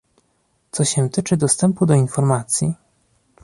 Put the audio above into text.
Co się tyczy dostępu do informacji